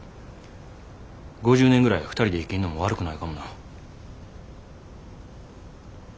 ５０年ぐらいは２人で生きんのも悪くないかもな。